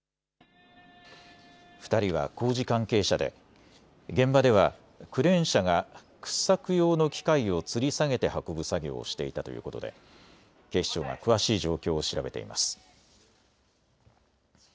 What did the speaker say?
２人は工事関係者で現場ではクレーン車が掘削用の機械をつり下げて運ぶ作業をしていたということで警視庁が詳しい状況を調べています。